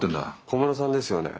小室さんですよね？